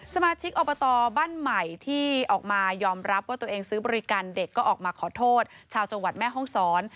สมาชิกอบตบ้านใหม่ที่ออกมายอมรับว่าตัวเองซื้อบริการเด็กก็ออกมาขอโทษชาวจังหวัดแม่ห้องศร